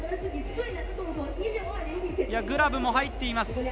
グラブも入っています。